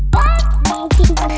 kau mau kemana